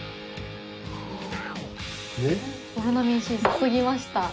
オロナミンＣ注ぎました。